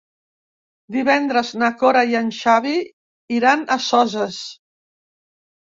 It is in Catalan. Divendres na Cora i en Xavi iran a Soses.